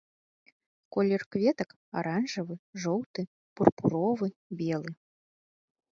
Колер кветак аранжавы, жоўты, пурпуровы, белы.